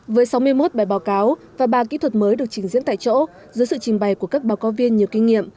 với sáu mươi một bài báo cáo và ba kỹ thuật mới được trình diễn tại chỗ dưới sự trình bày của các báo cáo viên nhiều kinh nghiệm